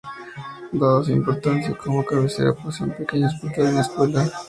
Dada su importancia como cabecera, posee un pequeño hospital y una escuela.